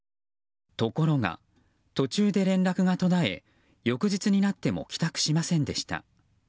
ところが、途中で連絡が途絶え翌日になっても帰宅しませんでした。